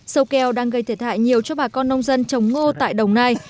sâu kèo đang gây thể thại nhiều cho bà con nông dân trống ngô tại đồng này